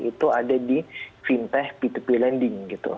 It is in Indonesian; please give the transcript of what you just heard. itu ada di fintech p dua p lending gitu